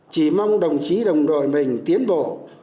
chỉ mong đồng chí đồng đội mình tiến bộ